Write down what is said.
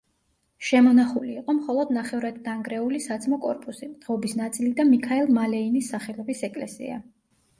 შემონახული იყო მხოლოდ ნახევრადდანგრეული საძმო კორპუსი, ღობის ნაწილი და მიქაელ მალეინის სახელობის ეკლესია.